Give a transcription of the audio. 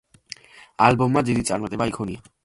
ალბომმა დიდი წარმატება იქონია.